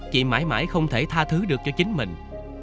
chị mãi mãi không thể tha thứ được cho chính mình